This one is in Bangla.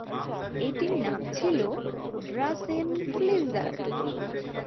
এটির নাম ছিল ড্রাছেনফ্লিজার।